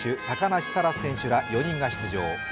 高梨沙羅選手ら４人が出場。